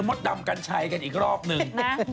มสดำกันชัยกันอีกรอบหนึ่งนะ